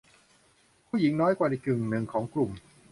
ผู้หญิงน้อยกว่ากึ่งหนึ่งของกลุ่ม